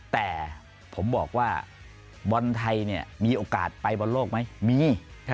แต่ผมบอกว่าบอลไทยมีโอกาสไปบอลโลกไหมมี